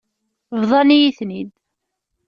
Bḍan-iyi-ten-id.